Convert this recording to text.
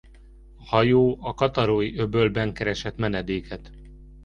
A hajó a Cattarói-öbölben keresett menedéket.